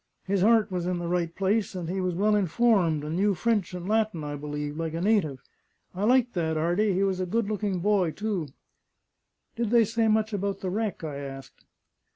His 'eart was in the right place; and he was well informed, and knew French; and Latin, I believe, like a native! I liked that 'Ardy; he was a good looking boy, too." "Did they say much about the wreck?" I asked.